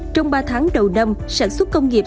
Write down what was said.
trong ba tháng đầu năm sản xuất công nghiệp